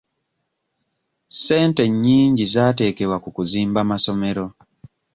Ssente nnyingi zaateekebwa ku kuzimba masomero.